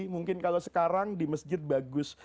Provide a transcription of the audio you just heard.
mungkin kalau sekarang di masjid bagus